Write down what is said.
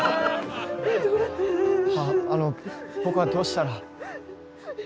あの僕はどうしたら？